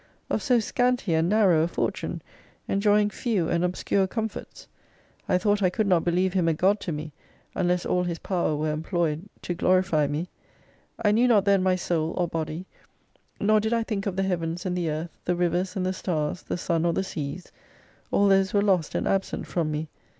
Of so scanty and narrow a fortune, enjoying few and obscure comforts? I thought I could not believe Him a God to me, unless all His power were employed to glorify me. I knew not then my Soul, or Body; nor did I think of the Heavens and the Earth, the rivers and the stars, the sun or the seas : all those were lost, and absent from me.